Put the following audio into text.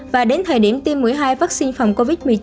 và đến thời điểm tiêm mũi hai vaccine phòng covid một mươi chín